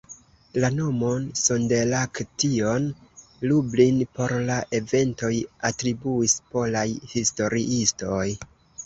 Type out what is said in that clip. La nomon "Sonderaktion Lublin" por la eventoj atribuis polaj historiistoj.